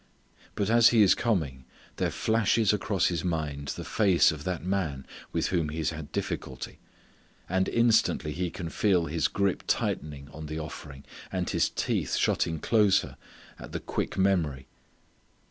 But as he is coming there flashes across his mind the face of that man, with whom he has had difficulty. And instantly he can feel his grip tightening on the offering, and his teeth shutting closer at the quick memory.